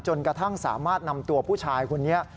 จนกระทั่งสามารถนำตัวผู้ชายคนนี้